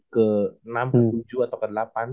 ke enam puluh tujuh atau ke delapan